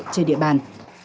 trên địa bàn